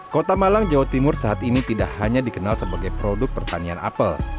kota malang jawa timur saat ini tidak hanya dikenal sebagai produk pertanian apel